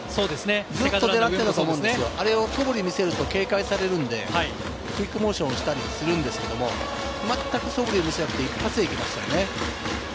ずっと狙ってたと思うんですよ、そぶりを見せると警戒されるので、クイックモーションをしたりするんですけれど、まったくそぶりを見せなくて、一発で決めましたよね。